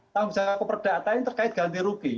tanggung jawab keperdataan terkait ganti rugi